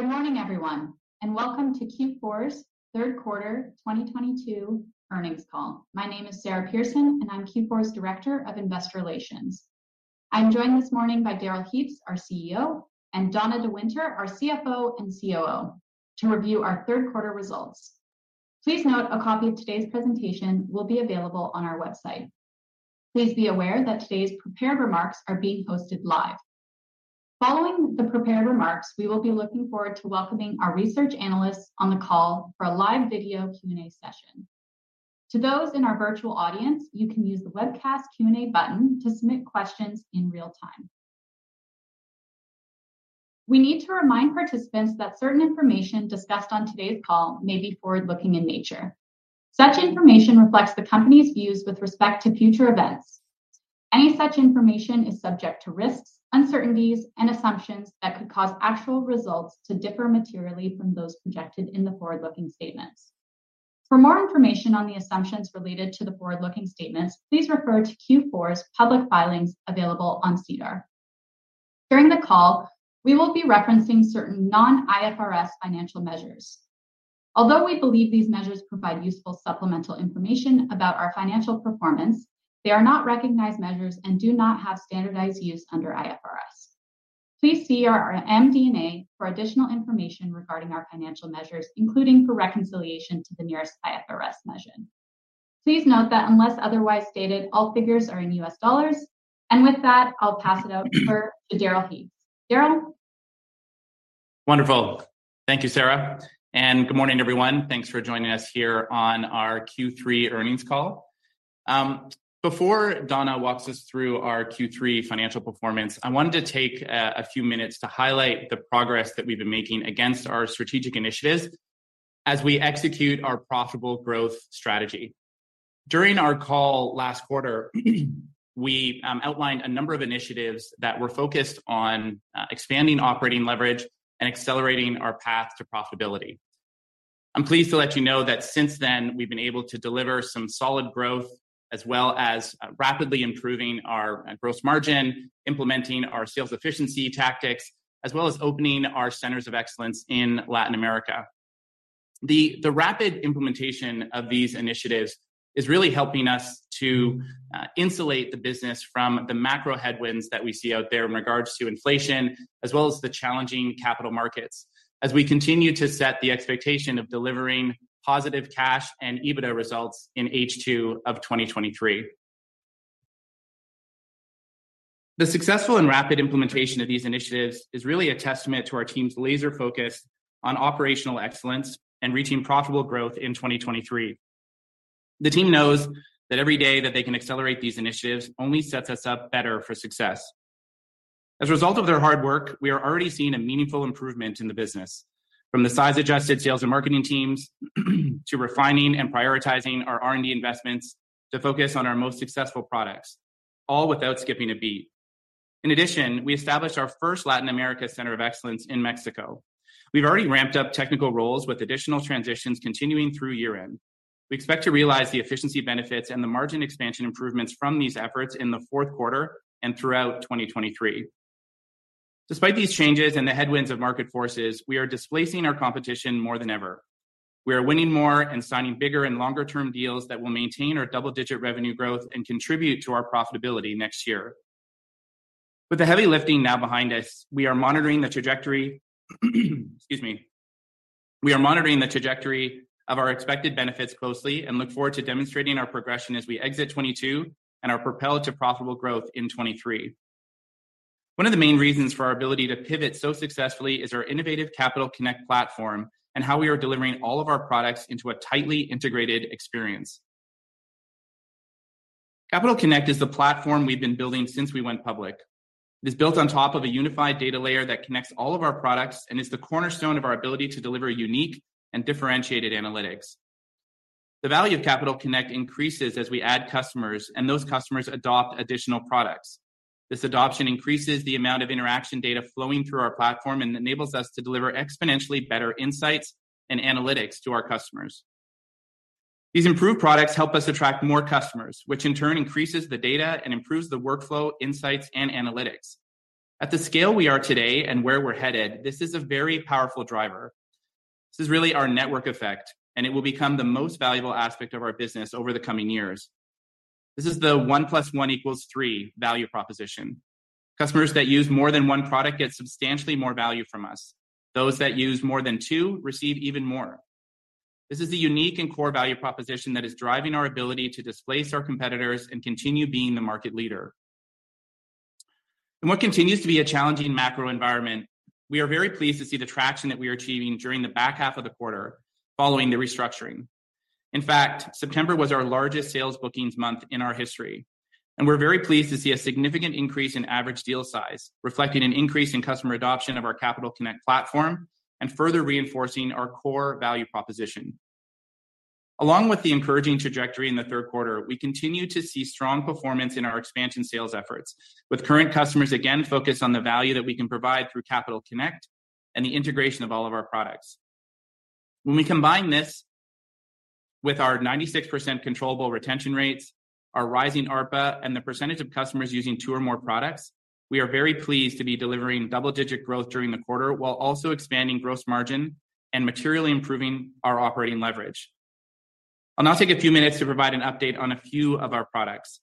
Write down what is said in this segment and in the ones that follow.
Good morning, everyone, and welcome to Q4's third quarter 2022 earnings call. My name is Sara Pearson, and I'm Q4's Director of Investor Relations. I'm joined this morning by Darrell Heaps, our CEO, and Donna de Winter, our CFO and COO, to review our third quarter results. Please note a copy of today's presentation will be available on our website. Please be aware that today's prepared remarks are being posted live. Following the prepared remarks, we will be looking forward to welcoming our research analysts on the call for a live video Q&A session. To those in our virtual audience, you can use the webcast Q&A button to submit questions in real time. We need to remind participants that certain information discussed on today's call may be forward-looking in nature. Such information reflects the company's views with respect to future events. Any such information is subject to risks, uncertainties, and assumptions that could cause actual results to differ materially from those projected in the forward-looking statements. For more information on the assumptions related to the forward-looking statements, please refer to Q4's public filings available on SEDAR. During the call, we will be referencing certain non-IFRS financial measures. Although we believe these measures provide useful supplemental information about our financial performance, they are not recognized measures and do not have standardized use under IFRS. Please see our MD&A for additional information regarding our financial measures, including for reconciliation to the nearest IFRS measure. Please note that unless otherwise stated, all figures are in U.S. dollars. With that, I'll pass it over to Darrell Heaps. Darrell? Wonderful. Thank you, Sara, and good morning, everyone. Thanks for joining us here on our Q3 earnings call. Before Donna walks us through our Q3 financial performance, I wanted to take a few minutes to highlight the progress that we've been making against our strategic initiatives as we execute our profitable growth strategy. During our call last quarter, we outlined a number of initiatives that were focused on expanding operating leverage and accelerating our path to profitability. I'm pleased to let you know that since then, we've been able to deliver some solid growth as well as rapidly improving our gross margin, implementing our sales efficiency tactics, as well as opening our centers of excellence in Latin America. The rapid implementation of these initiatives is really helping us to insulate the business from the macro headwinds that we see out there in regards to inflation, as well as the challenging capital markets as we continue to set the expectation of delivering positive cash and EBITDA results in H2 of 2023. The successful and rapid implementation of these initiatives is really a testament to our team's laser focus on operational excellence and reaching profitable growth in 2023. The team knows that every day that they can accelerate these initiatives only sets us up better for success. As a result of their hard work, we are already seeing a meaningful improvement in the business, from the size-adjusted sales and marketing teams to refining and prioritizing our R&D investments to focus on our most successful products, all without skipping a beat. In addition, we established our first Latin America Center of Excellence in Mexico. We've already ramped up technical roles with additional transitions continuing through year-end. We expect to realize the efficiency benefits and the margin expansion improvements from these efforts in the fourth quarter and throughout 2023. Despite these changes and the headwinds of market forces, we are displacing our competition more than ever. We are winning more and signing bigger and longer-term deals that will maintain our double-digit revenue growth and contribute to our profitability next year. With the heavy lifting now behind us, we are monitoring the trajectory of our expected benefits closely and look forward to demonstrating our progression as we exit 2022 and are propelled to profitable growth in 2023. One of the main reasons for our ability to pivot so successfully is our innovative Capital Connect platform and how we are delivering all of our products into a tightly integrated experience. Capital Connect is the platform we've been building since we went public. It is built on top of a unified data layer that connects all of our products and is the cornerstone of our ability to deliver unique and differentiated analytics. The value of Capital Connect increases as we add customers, and those customers adopt additional products. This adoption increases the amount of interaction data flowing through our platform and enables us to deliver exponentially better insights and analytics to our customers. These improved products help us attract more customers, which in turn increases the data and improves the workflow, insights, and analytics. At the scale we are today and where we're headed, this is a very powerful driver. This is really our network effect, and it will become the most valuable aspect of our business over the coming years. This is the 1 + 1 = 3 value proposition. Customers that use more than one product get substantially more value from us. Those that use more than two receive even more. This is a unique and core value proposition that is driving our ability to displace our competitors and continue being the market leader. In what continues to be a challenging macro environment, we are very pleased to see the traction that we are achieving during the back half of the quarter following the restructuring. In fact, September was our largest sales bookings month in our history, and we're very pleased to see a significant increase in average deal size, reflecting an increase in customer adoption of our Capital Connect platform and further reinforcing our core value proposition. Along with the encouraging trajectory in the third quarter, we continue to see strong performance in our expansion sales efforts, with current customers again focused on the value that we can provide through Capital Connect and the integration of all of our products. When we combine this with our 96% controllable retention rates, our rising ARPA, and the percentage of customers using two or more products, we are very pleased to be delivering double-digit growth during the quarter, while also expanding gross margin and materially improving our operating leverage. I'll now take a few minutes to provide an update on a few of our products.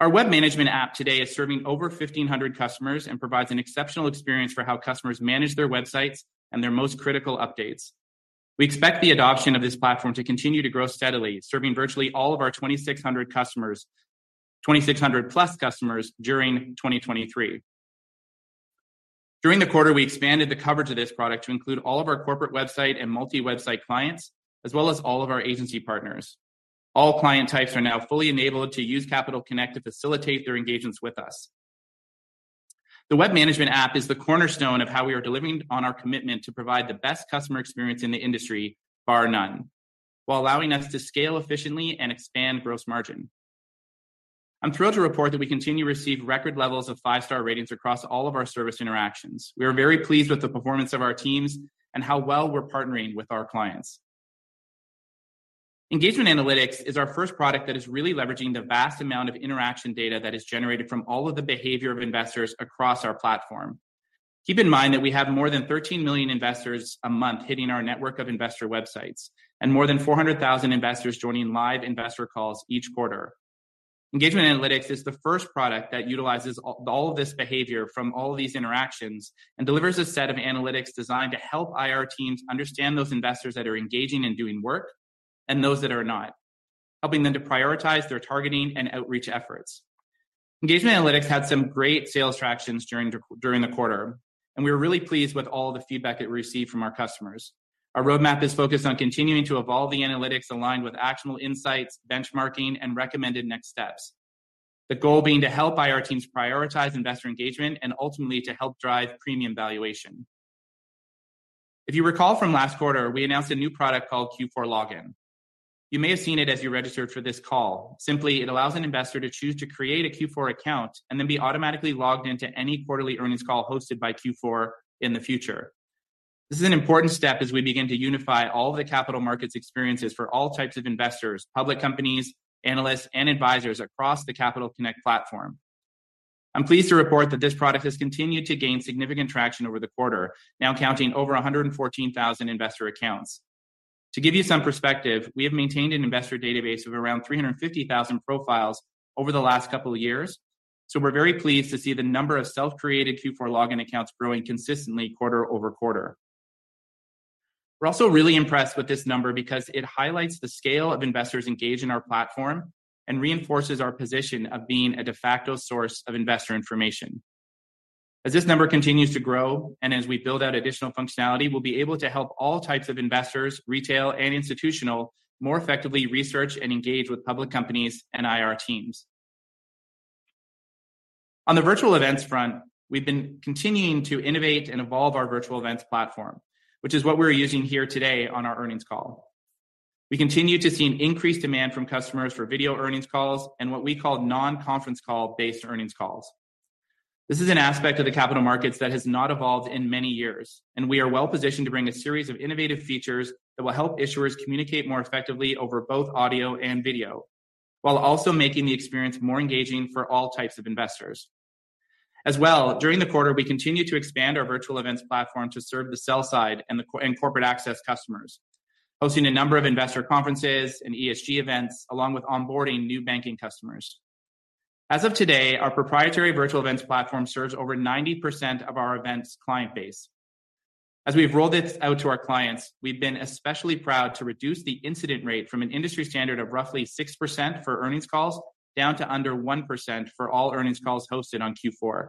Our Web Management app today is serving over 1,500 customers and provides an exceptional experience for how customers manage their websites and their most critical updates. We expect the adoption of this platform to continue to grow steadily, serving virtually all of our 2,600+ customers during 2023. During the quarter, we expanded the coverage of this product to include all of our corporate website and multi-website clients, as well as all of our agency partners. All client types are now fully enabled to use Capital Connect to facilitate their engagements with us. The Web Management app is the cornerstone of how we are delivering on our commitment to provide the best customer experience in the industry, bar none, while allowing us to scale efficiently and expand gross margin. I'm thrilled to report that we continue to receive record levels of five-star ratings across all of our service interactions. We are very pleased with the performance of our teams and how well we're partnering with our clients. Engagement Analytics is our first product that is really leveraging the vast amount of interaction data that is generated from all of the behavior of investors across our platform. Keep in mind that we have more than 13 million investors a month hitting our network of investor websites and more than 400,000 investors joining live investor calls each quarter. Engagement Analytics is the first product that utilizes all of this behavior from all these interactions and delivers a set of analytics designed to help IR teams understand those investors that are engaging and doing work and those that are not, helping them to prioritize their targeting and outreach efforts. Engagement Analytics had some great sales tractions during the quarter, and we were really pleased with all the feedback it received from our customers. Our roadmap is focused on continuing to evolve the analytics aligned with actionable insights, benchmarking, and recommended next steps. The goal being to help IR teams prioritize investor engagement and ultimately to help drive premium valuation. If you recall from last quarter, we announced a new product called Q4 Login. You may have seen it as you registered for this call. Simply, it allows an investor to choose to create a Q4 account and then be automatically logged into any quarterly earnings call hosted by Q4 in the future. This is an important step as we begin to unify all the capital markets experiences for all types of investors, public companies, analysts, and advisors across the Capital Connect platform. I'm pleased to report that this product has continued to gain significant traction over the quarter, now counting over 114,000 investor accounts. To give you some perspective, we have maintained an investor database of around 350,000 profiles over the last couple of years, so we're very pleased to see the number of self-created Q4 Login accounts growing consistently quarter-over-quarter. We're also really impressed with this number because it highlights the scale of investors engaged in our platform and reinforces our position of being a de facto source of investor information. As this number continues to grow, and as we build out additional functionality, we'll be able to help all types of investors, retail and institutional, more effectively research and engage with public companies and IR teams. On the virtual events front, we've been continuing to innovate and evolve our virtual events platform, which is what we're using here today on our earnings call. We continue to see an increased demand from customers for video earnings calls and what we call non-conference call-based earnings calls. This is an aspect of the capital markets that has not evolved in many years, and we are well-positioned to bring a series of innovative features that will help issuers communicate more effectively over both audio and video, while also making the experience more engaging for all types of investors. As well, during the quarter, we continued to expand our virtual events platform to serve the sell side and corporate access customers, hosting a number of investor conferences and ESG events, along with onboarding new banking customers. As of today, our proprietary virtual events platform serves over 90% of our events client base. As we've rolled it out to our clients, we've been especially proud to reduce the incident rate from an industry standard of roughly 6% for earnings calls down to under 1% for all earnings calls hosted on Q4.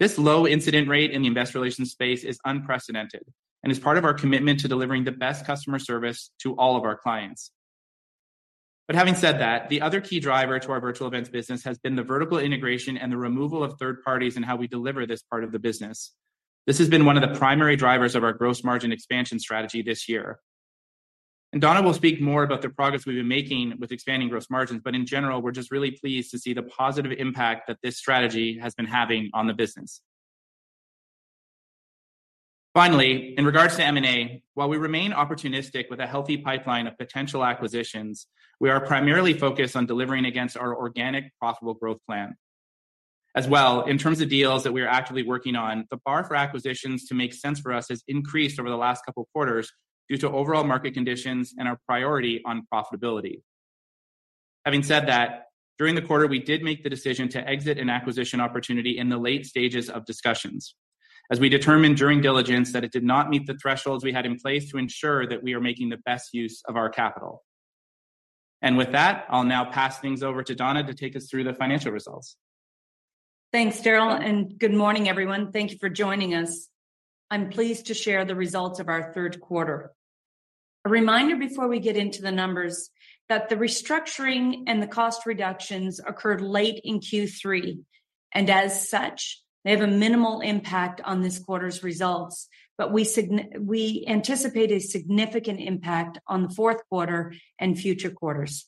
This low incident rate in the investor relations space is unprecedented and is part of our commitment to delivering the best customer service to all of our clients. Having said that, the other key driver to our virtual events business has been the vertical integration and the removal of third parties in how we deliver this part of the business. This has been one of the primary drivers of our gross margin expansion strategy this year. Donna will speak more about the progress we've been making with expanding gross margins, but in general, we're just really pleased to see the positive impact that this strategy has been having on the business. Finally, in regards to M&A, while we remain opportunistic with a healthy pipeline of potential acquisitions, we are primarily focused on delivering against our organic profitable growth plan. As well, in terms of deals that we are actively working on, the bar for acquisitions to make sense for us has increased over the last couple of quarters due to overall market conditions and our priority on profitability. Having said that, during the quarter, we did make the decision to exit an acquisition opportunity in the late stages of discussions as we determined during diligence that it did not meet the thresholds we had in place to ensure that we are making the best use of our capital. With that, I'll now pass things over to Donna to take us through the financial results. Thanks, Darrell, and good morning, everyone. Thank you for joining us. I'm pleased to share the results of our third quarter. A reminder before we get into the numbers that the restructuring and the cost reductions occurred late in Q3, and as such, they have a minimal impact on this quarter's results. We anticipate a significant impact on the fourth quarter and future quarters.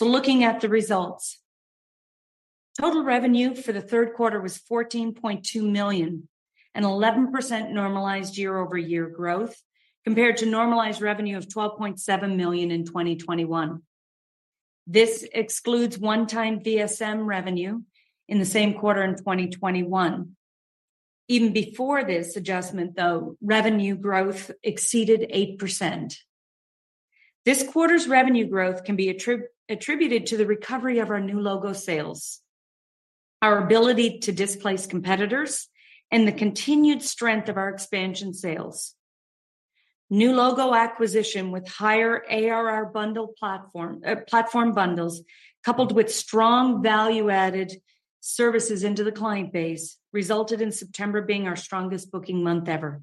Looking at the results, total revenue for the third quarter was $14.2 million, an 11% normalized year-over-year growth compared to normalized revenue of $12.7 million in 2021. This excludes one-time VSM revenue in the same quarter in 2021. Even before this adjustment, though, revenue growth exceeded 8%. This quarter's revenue growth can be attributed to the recovery of our new logo sales, our ability to displace competitors, and the continued strength of our expansion sales. New logo acquisition with higher ARR bundle platform bundles, coupled with strong value-added services into the client base, resulted in September being our strongest booking month ever.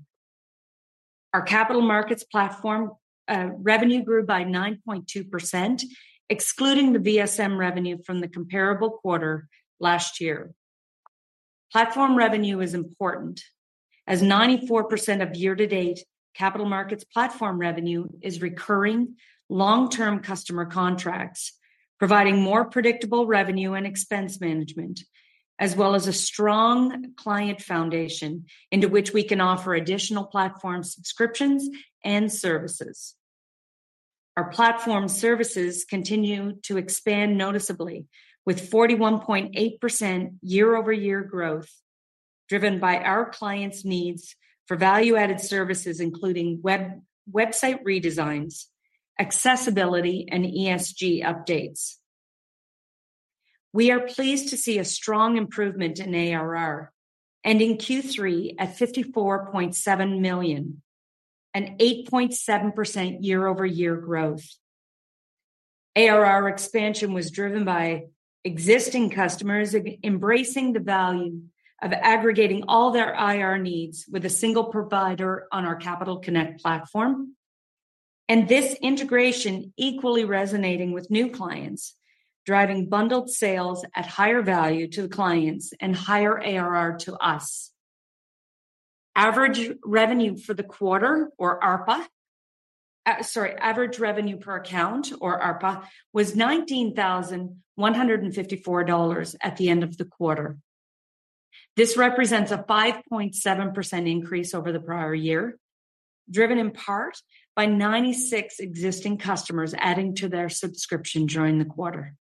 Our capital markets platform revenue grew by 9.2%, excluding the VSM revenue from the comparable quarter last year. Platform revenue is important, as 94% of year-to-date capital markets platform revenue is recurring long-term customer contracts, providing more predictable revenue and expense management, as well as a strong client foundation into which we can offer additional platform subscriptions and services. Our platform services continue to expand noticeably, with 41.8% year-over-year growth driven by our clients' needs for value-added services, including website redesigns, accessibility, and ESG updates. We are pleased to see a strong improvement in ARR, ending Q3 at $54.7 million, an 8.7% year-over-year growth. ARR expansion was driven by existing customers embracing the value of aggregating all their IR needs with a single provider on our Capital Connect platform, and this integration equally resonating with new clients, driving bundled sales at higher value to the clients and higher ARR to us. Average revenue per account, or ARPA, was $19,154 at the end of the quarter. This represents a 5.7% increase over the prior year, driven in part by 96 existing customers adding to their subscription during the quarter.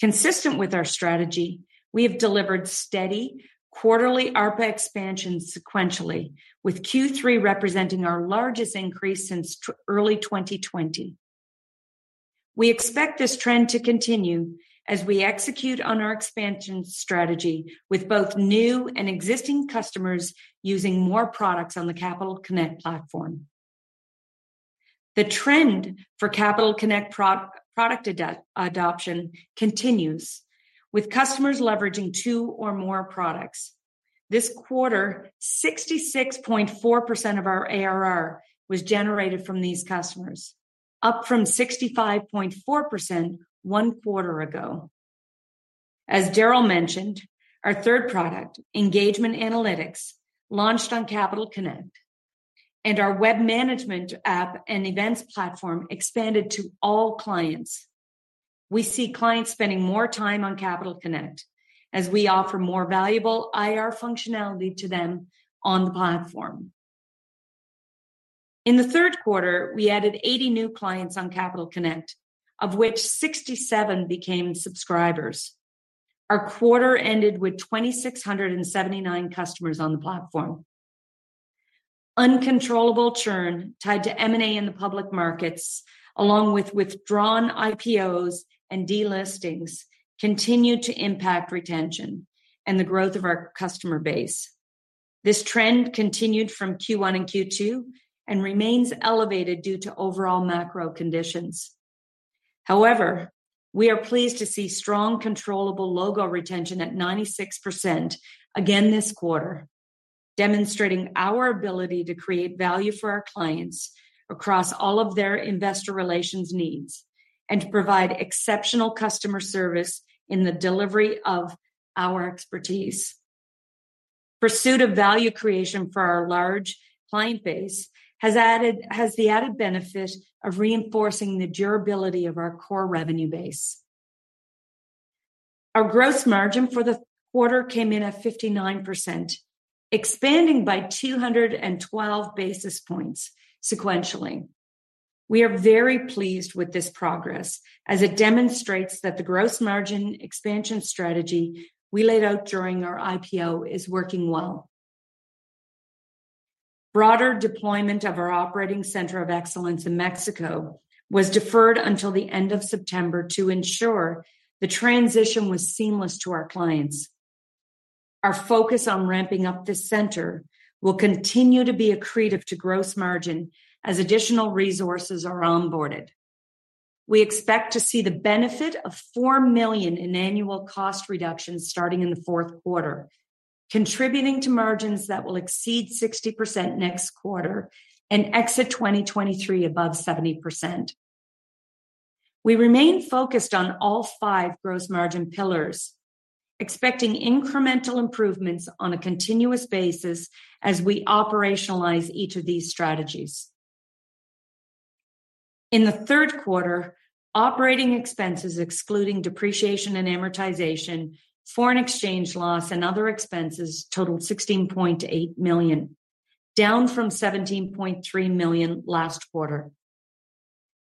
Consistent with our strategy, we have delivered steady quarterly ARPA expansion sequentially, with Q3 representing our largest increase since early 2020. We expect this trend to continue as we execute on our expansion strategy with both new and existing customers using more products on the Capital Connect platform. The trend for Capital Connect product adoption continues, with customers leveraging two or more products. This quarter, 66.4% of our ARR was generated from these customers, up from 65.4% one quarter ago. As Darrell mentioned, our third product, Engagement Analytics, launched on Capital Connect, and our Web Management app and events platform expanded to all clients. We see clients spending more time on Capital Connect as we offer more valuable IR functionality to them on the platform. In the third quarter, we added 80 new clients on Capital Connect, of which 67 became subscribers. Our quarter ended with 2,679 customers on the platform. Uncontrollable churn tied to M&A in the public markets, along with withdrawn IPOs and delistings, continued to impact retention and the growth of our customer base. This trend continued from Q1 and Q2 and remains elevated due to overall macro conditions. However, we are pleased to see strong controllable logo retention at 96% again this quarter, demonstrating our ability to create value for our clients across all of their investor relations needs and to provide exceptional customer service in the delivery of our expertise. Pursuit of value creation for our large client base has the added benefit of reinforcing the durability of our core revenue base. Our gross margin for the quarter came in at 59%, expanding by 212 basis points sequentially. We are very pleased with this progress, as it demonstrates that the gross margin expansion strategy we laid out during our IPO is working well. Broader deployment of our operating center of excellence in Mexico was deferred until the end of September to ensure the transition was seamless to our clients. Our focus on ramping up this center will continue to be accretive to gross margin as additional resources are onboarded. We expect to see the benefit of $4 million in annual cost reductions starting in the fourth quarter, contributing to margins that will exceed 60% next quarter and exit 2023 above 70%. We remain focused on all five gross margin pillars, expecting incremental improvements on a continuous basis as we operationalize each of these strategies. In the third quarter, operating expenses excluding depreciation and amortization, foreign exchange loss, and other expenses totaled $16.8 million, down from $17.3 million last quarter.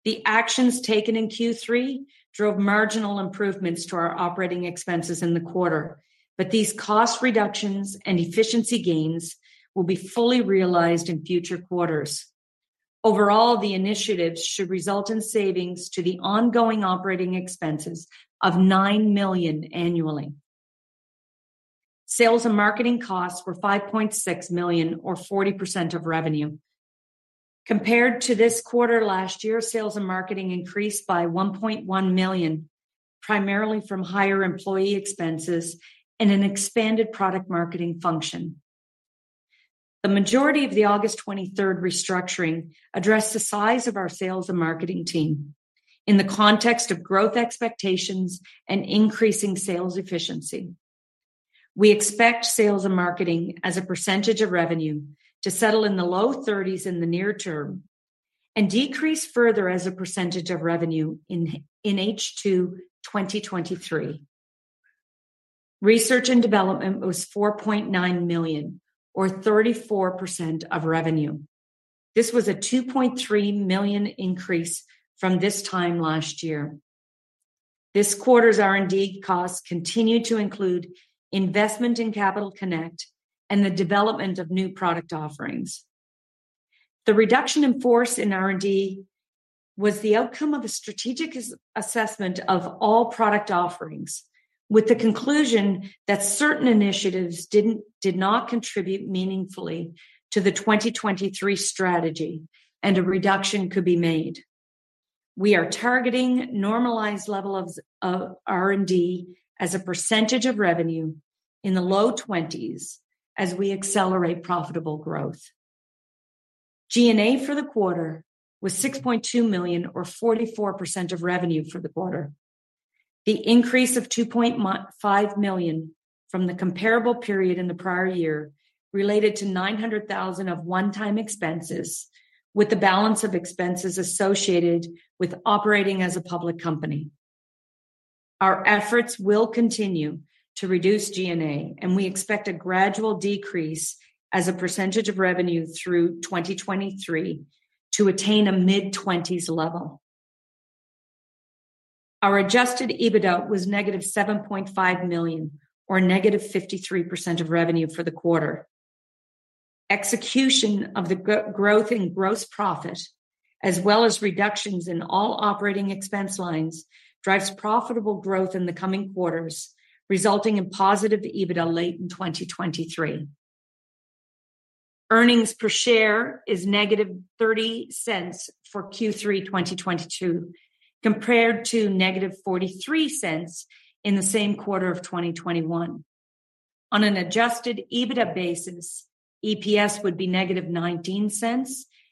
The actions taken in Q3 drove marginal improvements to our operating expenses in the quarter, but these cost reductions and efficiency gains will be fully realized in future quarters. Overall, the initiatives should result in savings to the ongoing operating expenses of $9 million annually. Sales and marketing costs were $5.6 million or 40% of revenue. Compared to this quarter last year, sales and marketing increased by $1.1 million, primarily from higher employee expenses and an expanded product marketing function. The majority of the August twenty-third restructuring addressed the size of our sales and marketing team in the context of growth expectations and increasing sales efficiency. We expect sales and marketing as a percentage of revenue to settle in the low 30s in the near-term and decrease further as a percentage of revenue in H2 2023. Research and development was $4.9 million or 34% of revenue. This was a $2.3 million increase from this time last year. This quarter's R&D costs continue to include investment in Q4 Capital Connect and the development of new product offerings. The reduction in force in R&D was the outcome of a strategic assessment of all product offerings, with the conclusion that certain initiatives did not contribute meaningfully to the 2023 strategy, and a reduction could be made. We are targeting normalized level of R&D as a percentage of revenue in the low 20s as we accelerate profitable growth. G&A for the quarter was $6.2 million or 44% of revenue for the quarter. The increase of $2.5 million from the comparable period in the prior year related to $900,000 of one-time expenses, with the balance of expenses associated with operating as a public company. Our efforts will continue to reduce G&A, and we expect a gradual decrease as a percentage of revenue through 2023 to attain a mid-20s level. Our adjusted EBITDA was -$7.5 million or -53% of revenue for the quarter. Execution of the growth in gross profit as well as reductions in all operating expense lines drives profitable growth in the coming quarters, resulting in positive EBITDA late in 2023. Earnings per share is -$0.30 for Q3 2022, compared to -$0.43 in the same quarter of 2021. On an adjusted EBITDA basis, EPS would be -$0.19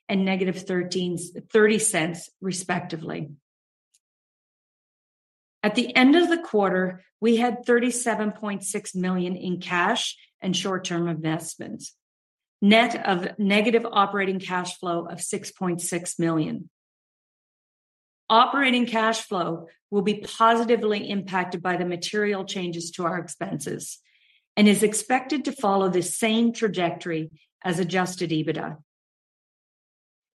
and -$0.30 respectively. At the end of the quarter, we had $37.6 million in cash and short-term investments, net of negative operating cash flow of $6.6 million. Operating cash flow will be positively impacted by the material changes to our expenses and is expected to follow the same trajectory as adjusted EBITDA.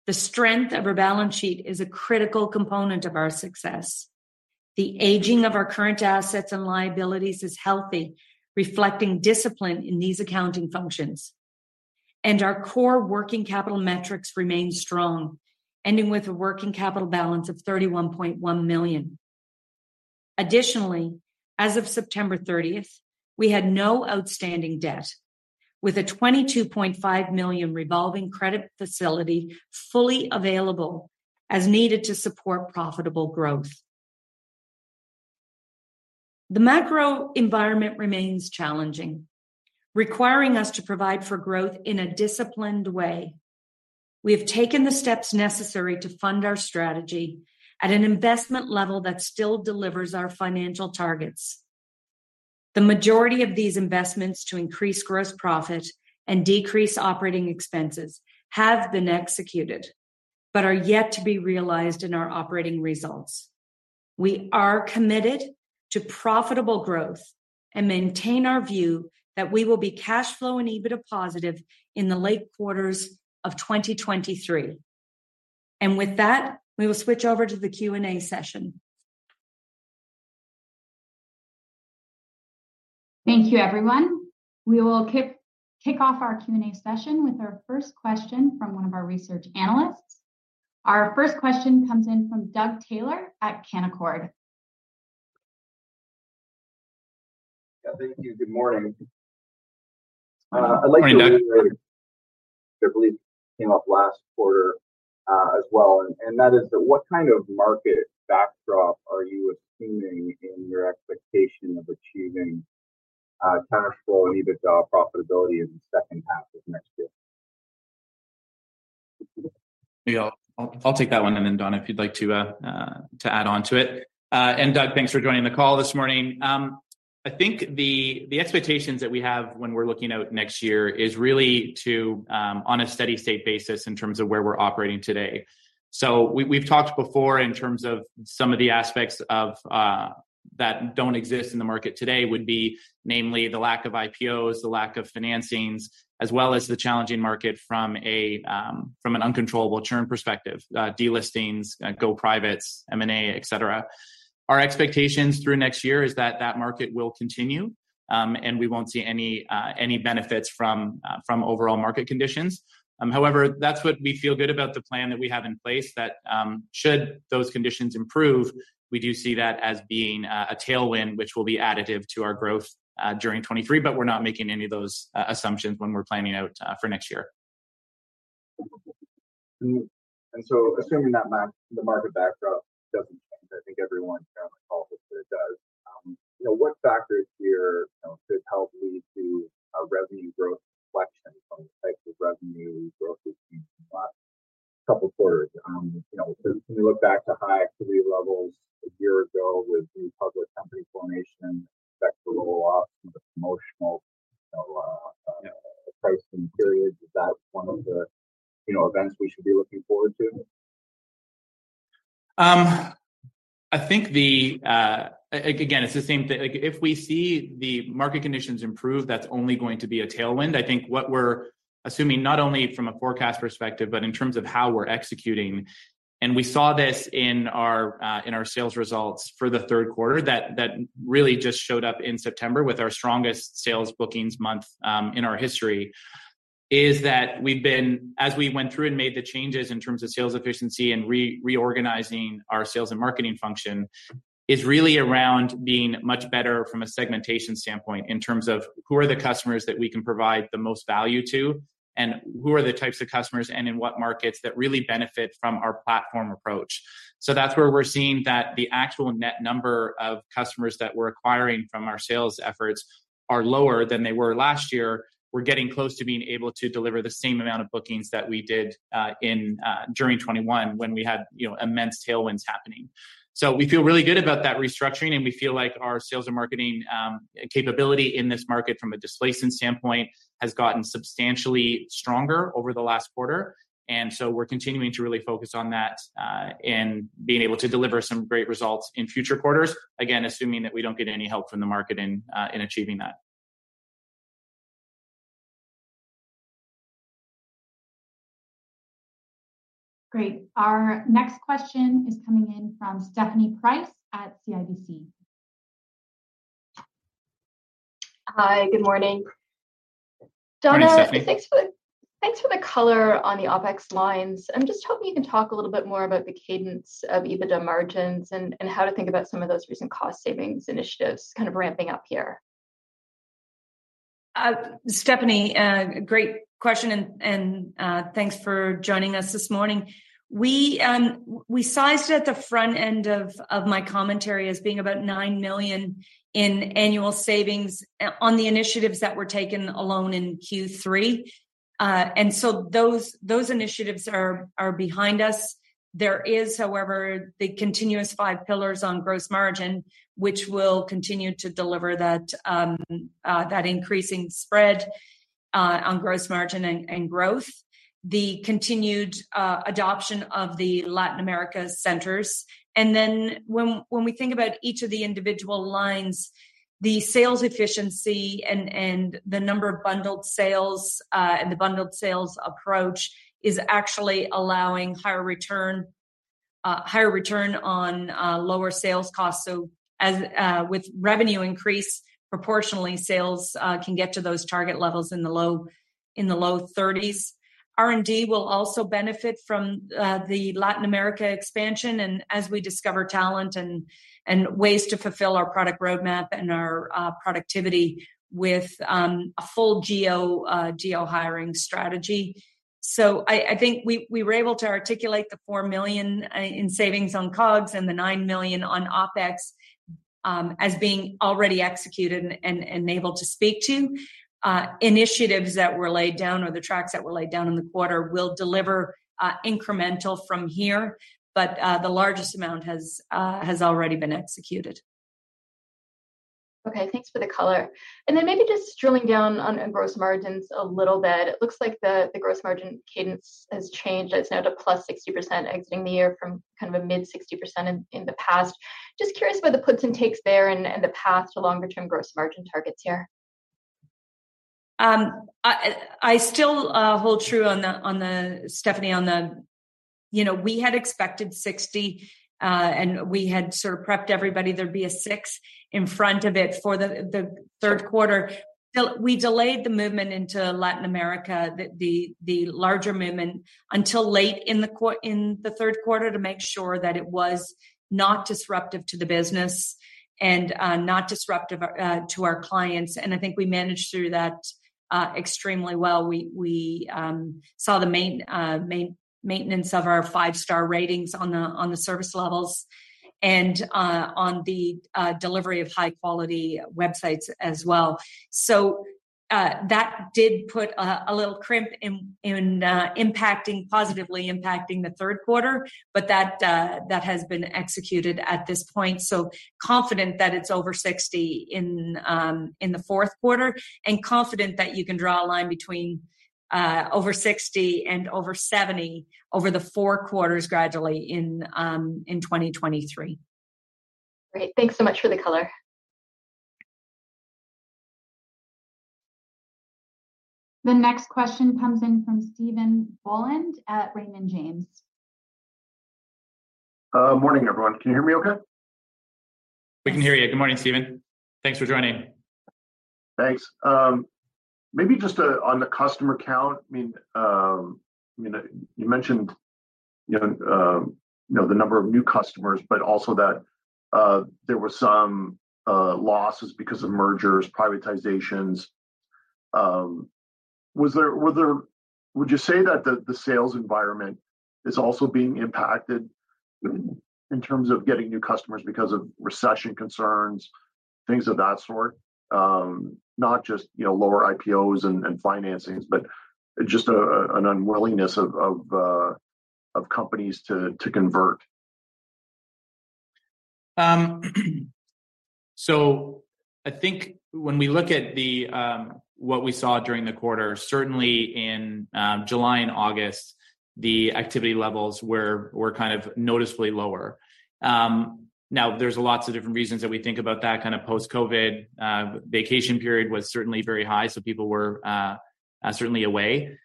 The strength of our balance sheet is a critical component of our success. The aging of our current assets and liabilities is healthy, reflecting discipline in these accounting functions. Our core working capital metrics remain strong, ending with a working capital balance of $31.1 million. Additionally, as of September 30th, we had no outstanding debt, with a $22.5 million revolving credit facility fully available as needed to support profitable growth. The macro environment remains challenging, requiring us to provide for growth in a disciplined way. We have taken the steps necessary to fund our strategy at an investment level that still delivers our financial targets. The majority of these investments to increase gross profit and decrease operating expenses have been executed but are yet to be realized in our operating results. We are committed to profitable growth and maintain our view that we will be cash flow and EBITDA positive in the late quarters of 2023. With that, we will switch over to the Q&A session. Thank you, everyone. We will kick off our Q&A session with our first question from one of our research analysts. Our first question comes in from Doug Taylor at Canaccord. Yeah, thank you. Good morning. Morning, Doug. I believe it came up last quarter, as well, and that is, what kind of market backdrop are you assuming in your expectation of achieving cash flow and EBITDA profitability in the second half of next year? Yeah, I'll take that one, and then Donna, if you'd like to add on to it. Doug, thanks for joining the call this morning. I think the expectations that we have when we're looking out next year is really to on a steady-state basis in terms of where we're operating today. We've talked before in terms of some of the aspects of that don't exist in the market today would be namely the lack of IPOs, the lack of financings, as well as the challenging market from an uncontrollable churn perspective, delistings, go privates, M&A, et cetera. Our expectations through next year is that that market will continue, and we won't see any benefits from overall market conditions. However, that's what we feel good about the plan that we have in place that, should those conditions improve, we do see that as being a tailwind which will be additive to our growth during 2023, but we're not making any of those assumptions when we're planning out for next year. Assuming that the market backdrop doesn't change, I think everyone here on the call hopes that it does, you know, what factors here, you know, could help lead to a revenue growth reflection from the types of revenue growth we've seen in the last couple quarters? You know, when we look back to high activity levels a year ago with new public company formation, that could roll off some of the promotional, you know, pricing period. Is that one of the, you know, events we should be looking forward to? I think the, again, it's the same thing. Like, if we see the market conditions improve, that's only going to be a tailwind. I think what we're assuming, not only from a forecast perspective, but in terms of how we're executing, and we saw this in our in our sales results for the third quarter that really just showed up in September with our strongest sales bookings month in our history, is that we've been as we went through and made the changes in terms of sales efficiency and reorganizing our sales and marketing function, is really around being much better from a segmentation standpoint in terms of who are the customers that we can provide the most value to, and who are the types of customers and in what markets that really benefit from our platform approach. That's where we're seeing that the actual net number of customers that we're acquiring from our sales efforts are lower than they were last year. We're getting close to being able to deliver the same amount of bookings that we did during 2021 when we had, you know, immense tailwinds happening. We feel really good about that restructuring, and we feel like our sales and marketing capability in this market from a displacement standpoint has gotten substantially stronger over the last quarter. We're continuing to really focus on that and being able to deliver some great results in future quarters. Again, assuming that we don't get any help from the market in achieving that. Great. Our next question is coming in from Stephanie Price at CIBC. Hi, good morning. Morning, Stephanie. Donna, thanks for the color on the OpEx lines. I'm just hoping you can talk a little bit more about the cadence of EBITDA margins and how to think about some of those recent cost savings initiatives kind of ramping up here. Stephanie, great question and thanks for joining us this morning. We sized it at the front end of my commentary as being about $9 million in annual savings on the initiatives that were taken alone in Q3. Those initiatives are behind us. There is, however, the continuous five pillars on gross margin, which will continue to deliver that increasing spread on gross margin and growth. The continued adoption of the Latin America centers. Then when we think about each of the individual lines, the sales efficiency and the number of bundled sales, and the bundled sales approach is actually allowing higher return on lower sales costs. As with revenue increase, proportionally sales can get to those target levels in the low 30s. R&D will also benefit from the Latin America expansion, and as we discover talent and ways to fulfill our product roadmap and our productivity with a full geo hiring strategy. I think we were able to articulate the $4 million in savings on COGS and the $9 million on OpEx as being already executed and able to speak to. Initiatives that were laid down or the tracks that were laid down in the quarter will deliver incremental from here, but the largest amount has already been executed. Okay. Thanks for the color. Then maybe just drilling down on gross margins a little bit. It looks like the gross margin cadence has changed. It's now to plus 60% exiting the year from kind of a mid-60% in the past. Just curious about the puts and takes there and the path to longer-term gross margin targets here. I still hold true, Stephanie. You know, we had expected 60 and we had sort of prepped everybody there'd be a six in front of it for the third quarter. We delayed the movement into Latin America, the larger movement, until late in the third quarter to make sure that it was not disruptive to the business and not disruptive to our clients. I think we managed through that extremely well. We saw the maintenance of our five-star ratings on the service levels and on the delivery of high-quality websites as well. That did put a little crimp in positively impacting the third quarter, but that has been executed at this point. Confident that it's over 60% in the fourth quarter, and confident that you can draw a line between over 60% and over 70% over the four quarters gradually in 2023. Great. Thanks so much for the color. The next question comes in from Stephen Boland at Raymond James. Morning, everyone. Can you hear me okay? We can hear you. Good morning, Stephen. Thanks for joining. Thanks. Maybe just on the customer count, I mean, you mentioned, you know, the number of new customers, but also that there were some losses because of mergers, privatizations. Would you say that the sales environment is also being impacted in terms of getting new customers because of recession concerns, things of that sort? Not just, you know, lower IPOs and financings, but just an unwillingness of companies to convert. I think when we look at what we saw during the quarter, certainly in July and August, the activity levels were kind of noticeably lower. Now there's lots of different reasons that we think about that, kind of post-COVID vacation period was certainly very high, so people were certainly away.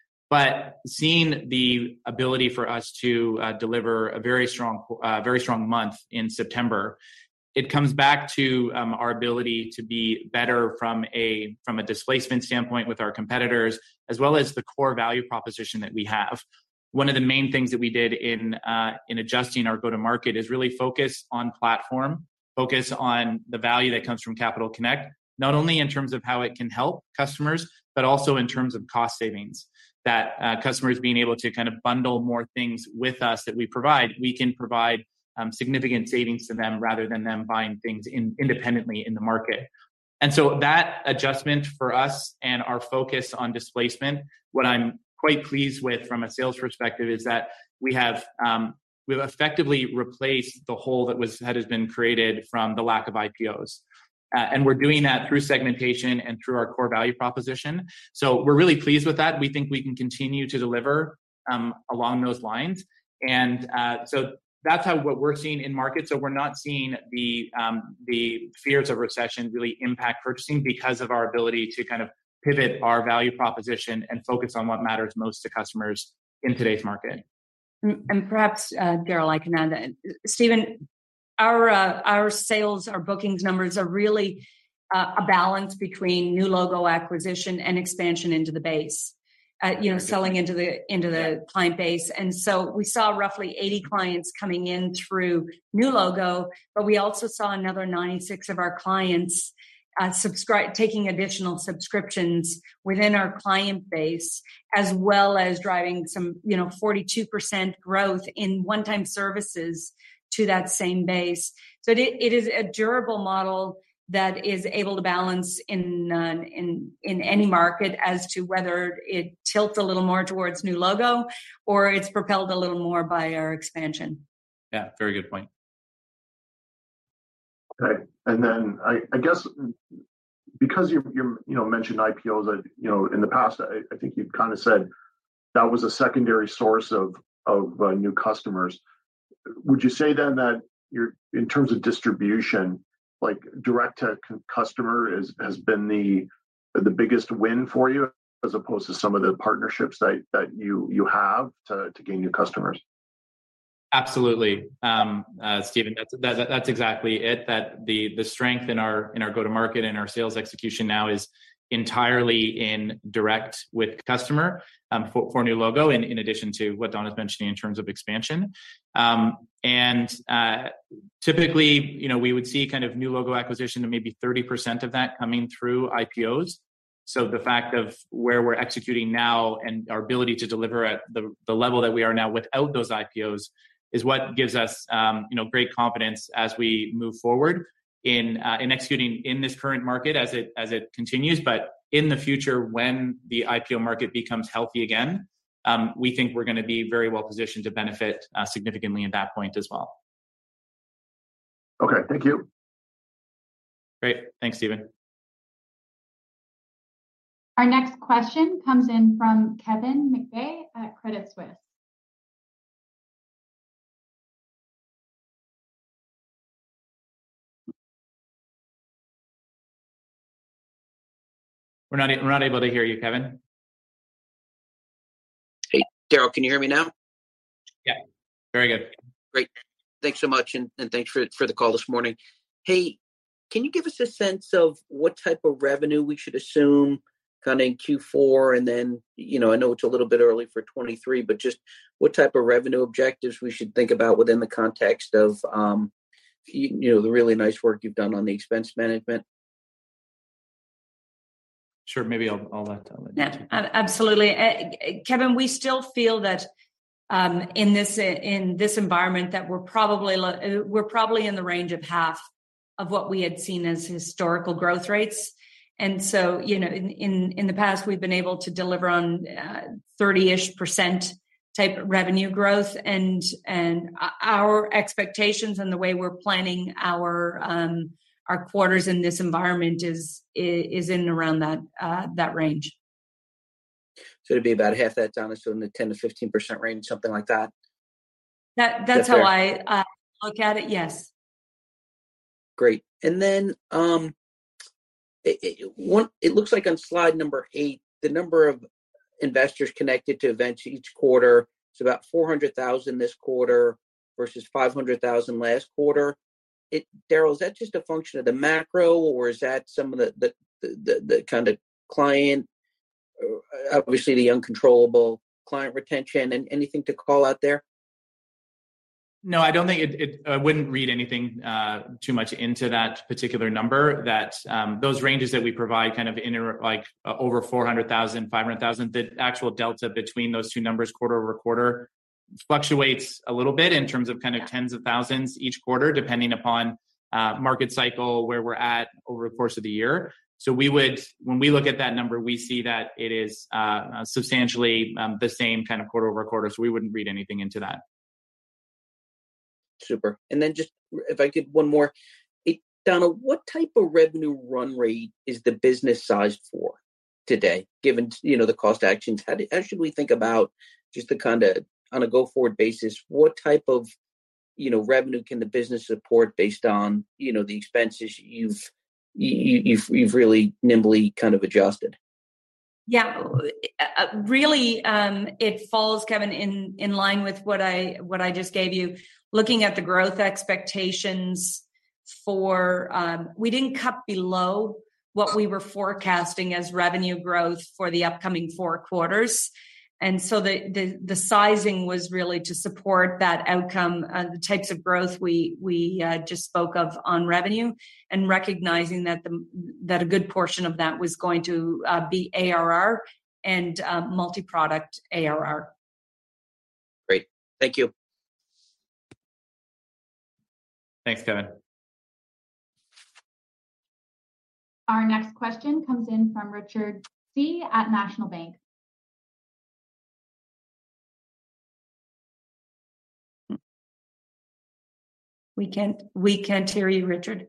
Seeing the ability for us to deliver a very strong month in September, it comes back to our ability to be better from a displacement standpoint with our competitors, as well as the core value proposition that we have. One of the main things that we did in adjusting our go-to-market is really focus on platform, focus on the value that comes from Capital Connect, not only in terms of how it can help customers, but also in terms of cost savings, that customers being able to kind of bundle more things with us that we provide, we can provide significant savings to them rather than them buying things independently in the market. That adjustment for us and our focus on displacement, what I'm quite pleased with from a sales perspective is that we have we've effectively replaced the hole that has been created from the lack of IPOs. We're doing that through segmentation and through our core value proposition. We're really pleased with that, and we think we can continue to deliver along those lines. That's how what we're seeing in markets, so we're not seeing the fears of recession really impact purchasing because of our ability to kind of pivot our value proposition and focus on what matters most to customers in today's market. perhaps, Darrell, I can add. Stephen, our sales, our bookings numbers are really a balance between new logo acquisition and expansion into the base, you know, selling into the client base. We saw roughly 80 clients coming in through new logo, but we also saw another 96 of our clients taking additional subscriptions within our client base, as well as driving some, you know, 42% growth in one-time services to that same base. It is a durable model that is able to balance in any market as to whether it tilts a little more towards new logo or it's propelled a little more by our expansion. Yeah. Very good point. Okay. I guess because you know mentioned IPOs you know in the past I think you've kinda said that was a secondary source of new customers. Would you say then that your in terms of distribution like direct to customer has been the biggest win for you as opposed to some of the partnerships that you have to gain new customers? Absolutely. Stephen, that's exactly it. That the strength in our go-to-market and our sales execution now is entirely indirect with customer for new logo, in addition to what Donna's mentioning in terms of expansion. Typically, you know, we would see kind of new logo acquisition to maybe 30% of that coming through IPOs. The fact of where we're executing now and our ability to deliver at the level that we are now without those IPOs is what gives us great confidence as we move forward in executing in this current market as it continues. In the future, when the IPO market becomes healthy again, we think we're gonna be very well positioned to benefit significantly at that point as well. Okay. Thank you. Great. Thanks, Stephen. Our next question comes in from Kevin McVeigh at Credit Suisse. We're not able to hear you, Kevin. Hey, Darrell, can you hear me now? Yeah. Very good. Great. Thanks so much, and thanks for the call this morning. Hey, can you give us a sense of what type of revenue we should assume kind of in Q4? You know, I know it's a little bit early for 2023, but just what type of revenue objectives we should think about within the context of you know, the really nice work you've done on the expense management? Sure. Maybe I'll let you take. Yeah. Absolutely. Kevin, we still feel that in this environment we're probably in the range of half of what we had seen as historical growth rates. You know, in the past, we've been able to deliver on 30-ish% type revenue growth and our expectations and the way we're planning our quarters in this environment is in and around that range. It'd be about half that, Donna, so in the 10%-15% range, something like that? That- Is that fair? That's how I look at it, yes. Great. It looks like on slide number eight, the number of investors connected to events each quarter, it's about 400,000 this quarter versus 500,000 last quarter. Darrell, is that just a function of the macro, or is that some of the kind of client, obviously the uncontrollable client retention? Anything to call out there? No, I don't think it. I wouldn't read anything too much into that particular number that those ranges that we provide kind of like over 400,000, 500,000, the actual delta between those two numbers quarter-over-quarter fluctuates a little bit in terms of kind of tens of thousands each quarter, depending upon market cycle, where we're at over the course of the year. When we look at that number, we see that it is substantially the same kind of quarter-over-quarter, so we wouldn't read anything into that. Super. Just if I could, one more. Donna, what type of revenue run rate is the business sized for today, given, you know, the cost actions? How should we think about just the kinda on a go-forward basis, what type of, you know, revenue can the business support based on, you know, the expenses you've really nimbly kind of adjusted? Yeah. Really, it falls, Kevin, in line with what I just gave you. Looking at the growth expectations for we didn't cut below what we were forecasting as revenue growth for the upcoming four quarters. The sizing was really to support that outcome, the types of growth we just spoke of on revenue and recognizing that a good portion of that was going to be ARR and multi-product ARR. Great. Thank you. Thanks, Kevin. Our next question comes in from Richard Tse at National Bank. We can't hear you, Richard.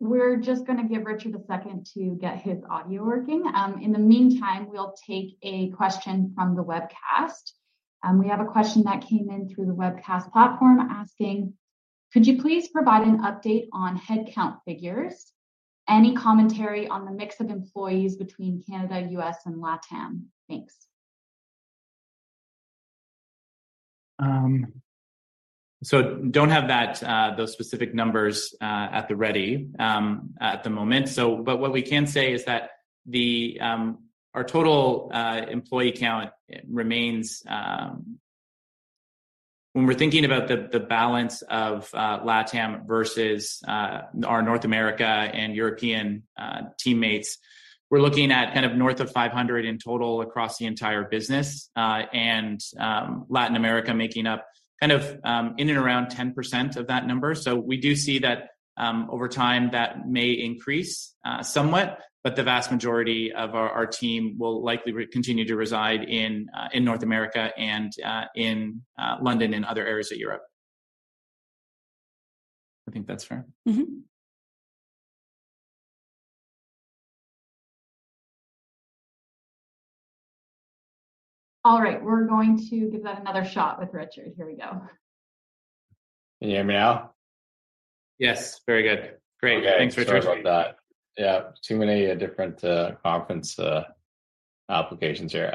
We're just gonna give Richard a second to get his audio working. In the meantime, we'll take a question from the webcast. We have a question that came in through the webcast platform asking, "Could you please provide an update on headcount figures? Any commentary on the mix of employees between Canada, U.S., and LATAM? Thanks. Don't have that, those specific numbers, at the ready, at the moment. What we can say is that our total employee count remains. When we're thinking about the balance of LATAM versus our North America and European teammates, we're looking at kind of north of 500 in total across the entire business, and Latin America making up kind of in and around 10% of that number. We do see that over time, that may increase somewhat, but the vast majority of our team will likely continue to reside in North America and in London and other areas of Europe. I think that's fair. All right, we're going to give that another shot with Richard. Here we go. Can you hear me now? Yes, very good. Great. Thanks, Richard. Okay. Sorry about that. Yeah, too many different conference applications here.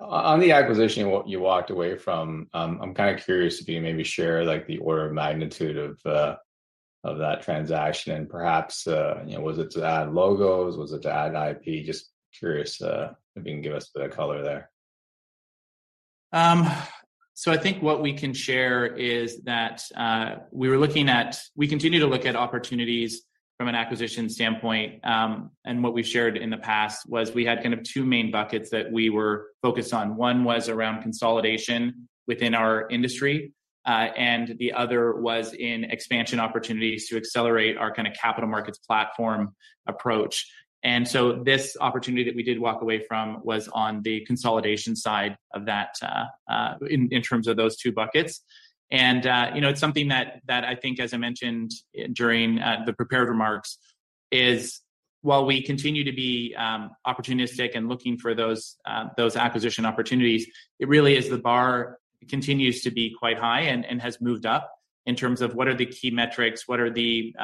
On the acquisition, what you walked away from, I'm kinda curious if you can maybe share like the order of magnitude of that transaction and perhaps, you know, was it to add logos? Was it to add IP? Just curious, if you can give us a bit of color there. I think what we can share is that we continue to look at opportunities from an acquisition standpoint. What we've shared in the past was we had kind of two main buckets that we were focused on. One was around consolidation within our industry, and the other was in expansion opportunities to accelerate our kinda capital markets platform approach. This opportunity that we did walk away from was on the consolidation side of that, in terms of those two buckets. You know, it's something that I think, as I mentioned during the prepared remarks, is while we continue to be opportunistic and looking for those acquisition opportunities, it really is the bar continues to be quite high and has moved up in terms of what are the key metrics, what are the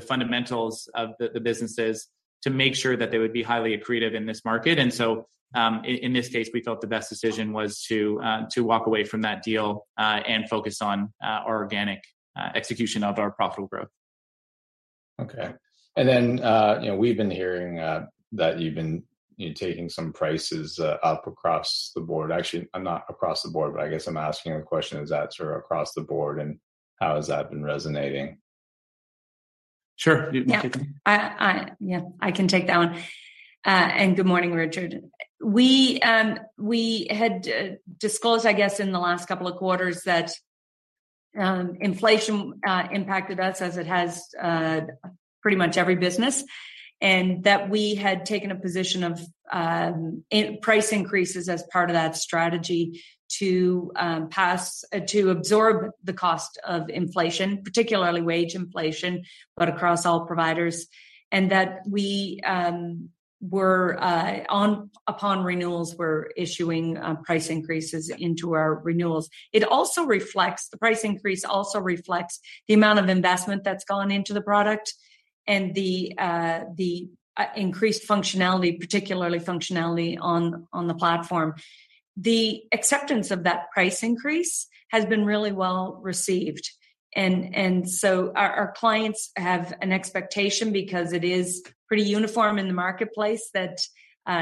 fundamentals of the businesses to make sure that they would be highly accretive in this market. In this case, we felt the best decision was to walk away from that deal and focus on organic execution of our profitable growth. Okay. You know, we've been hearing that you've been, you know, taking some prices up across the board. Actually, not across the board, but I guess I'm asking a question, is that sort of across the board, and how has that been resonating? Sure. You can- Yeah. I can take that one. Good morning, Richard. We had disclosed, I guess, in the last couple of quarters that inflation impacted us as it has pretty much every business, and that we had taken a position of price increases as part of that strategy to absorb the cost of inflation, particularly wage inflation, but across all providers, and that we were upon renewals issuing price increases into our renewals. The price increase also reflects the amount of investment that's gone into the product and the increased functionality, particularly functionality on the platform. The acceptance of that price increase has been really well received and so our clients have an expectation because it is pretty uniform in the marketplace that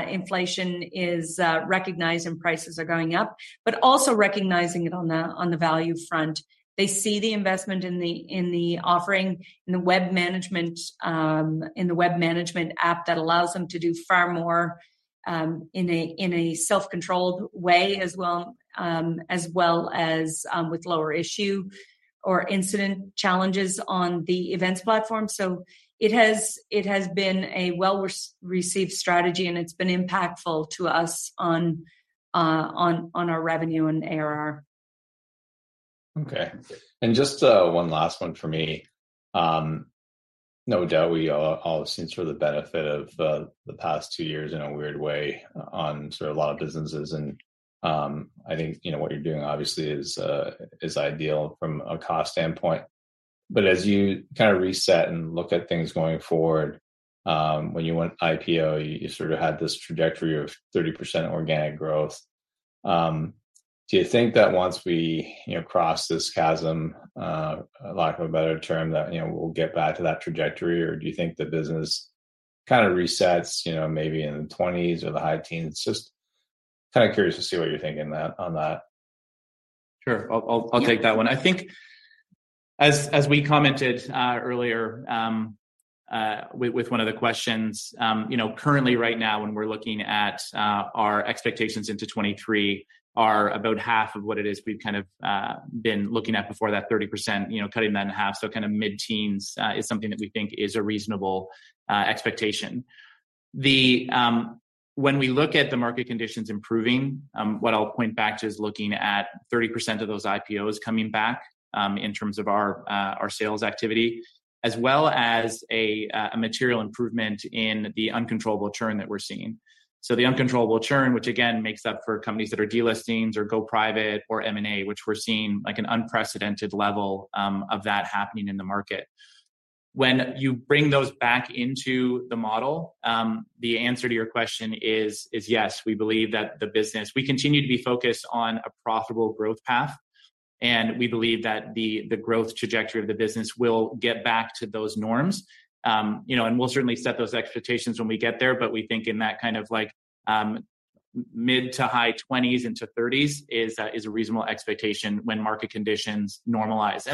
inflation is recognized and prices are going up. Also recognizing it on the value front, they see the investment in the offering, in the Web Management app that allows them to do far more in a self-controlled way, as well as with lower issue or incident challenges on the events platform. It has been a well-received strategy, and it's been impactful to us on our revenue and ARR. Okay. Just one last one for me. No doubt we all have seen sort of the benefit of the past two years in a weird way on sort of a lot of businesses and I think, you know, what you're doing obviously is ideal from a cost standpoint. As you kind of reset and look at things going forward, when you went IPO, you sort of had this trajectory of 30% organic growth. Do you think that once we, you know, cross this chasm, lack of a better term, that, you know, we'll get back to that trajectory, or do you think the business kinda resets, you know, maybe in the 20s or the high teens? Just kinda curious to see what you're thinking that, on that. Sure. I'll take that one. I think as we commented earlier, you know, currently right now, when we're looking at our expectations into 2023 are about half of what it is we've kind of been looking at before that 30%, you know, cutting that in half. Kind of mid-teens is something that we think is a reasonable expectation. When we look at the market conditions improving, what I'll point back to is looking at 30% of those IPOs coming back in terms of our sales activity, as well as a material improvement in the uncontrollable churn that we're seeing. The uncontrollable churn, which again makes up for companies that are delistings or go private or M&A, which we're seeing, like, an unprecedented level of that happening in the market. When you bring those back into the model, the answer to your question is yes, we believe that the business we continue to be focused on a profitable growth path, and we believe that the growth trajectory of the business will get back to those norms. You know, we'll certainly set those expectations when we get there, but we think in that kind of like, mid- to high-20s into 30s is a reasonable expectation when market conditions normalize.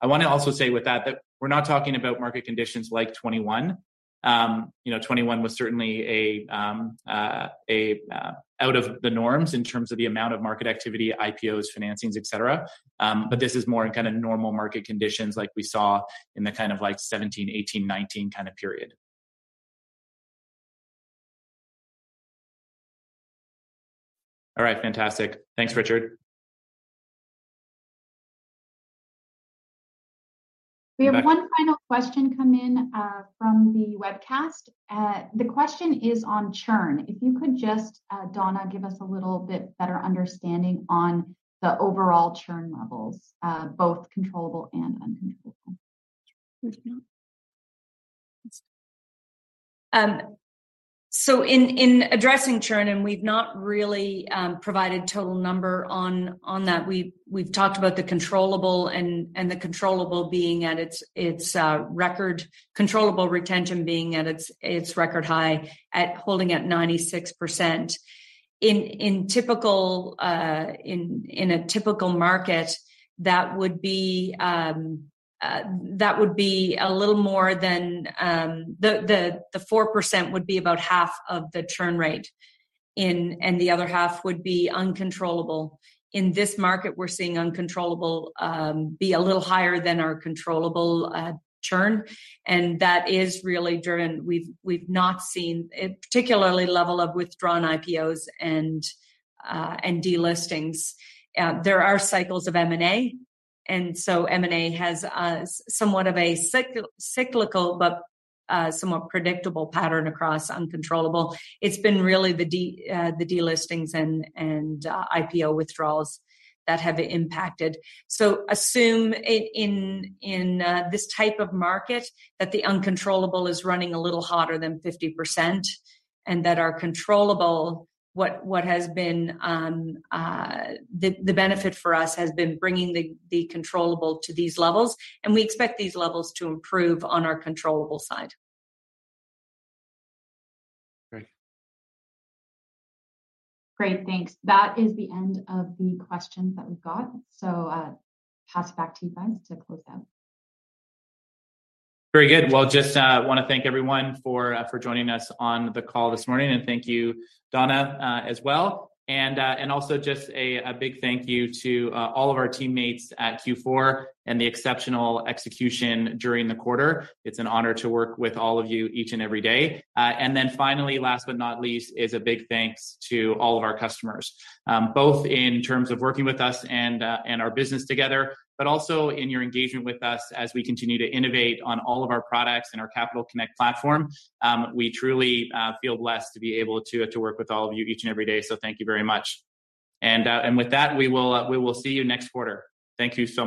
I wanna also say with that we're not talking about market conditions like 2021. You know, 2021 was certainly out of the norms in terms of the amount of market activity, IPOs, financings, et cetera. This is more in kinda normal market conditions like we saw in the kind of like 2017, 2018, 2019 kinda period. All right. Fantastic. Thanks, Richard. We have one final question come in from the webcast. The question is on churn. If you could just, Donna, give us a little bit better understanding on the overall churn levels, both controllable and uncontrollable. Would you? So in addressing churn, we've not really provided total number on that. We've talked about the controllable and the controllable being at its record high, holding at 96%. In a typical market, that would be a little more than the 4% would be about half of the churn rate, and the other half would be uncontrollable. In this market, we're seeing uncontrollable be a little higher than our controllable churn, and that is really driven. We've not seen a particular level of withdrawn IPOs and delistings. There are cycles of M&A, and so M&A has somewhat of a cyclical but somewhat predictable pattern across uncontrollable. It's been really the delistings and IPO withdrawals that have impacted. Assume in this type of market that the uncontrollable is running a little hotter than 50%, and that our controllable, what has been the benefit for us has been bringing the controllable to these levels, and we expect these levels to improve on our controllable side. Great. Great. Thanks. That is the end of the questions that we've got. Pass it back to you guys to close out. Very good. Well, just wanna thank everyone for joining us on the call this morning, and thank you, Donna, as well. Also just a big thank you to all of our teammates at Q4 and the exceptional execution during the quarter. It's an honor to work with all of you each and every day. Then finally, last but not least, is a big thanks to all of our customers, both in terms of working with us and our business together, but also in your engagement with us as we continue to innovate on all of our products and our Capital Connect platform. We truly feel blessed to be able to work with all of you each and every day, so thank you very much. With that, we will see you next quarter. Thank you so much.